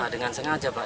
dengan sengaja pak